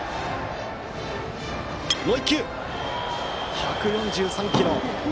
１４３キロ。